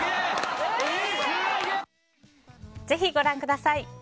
ぜひご覧ください。